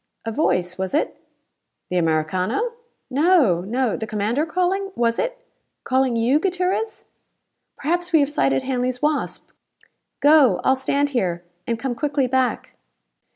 "A voice, was it?" "The Americano?" "No! No the commander calling? Was it? Calling you, Gutierrez? Perhaps we have sighted Hanley's Wasp. Go! I'll stand here, and come quickly back."